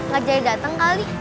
gak jadi dateng kali